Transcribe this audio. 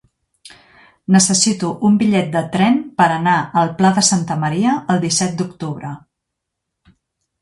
Necessito un bitllet de tren per anar al Pla de Santa Maria el disset d'octubre.